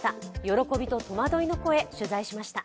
喜びと戸惑いの声、取材しました。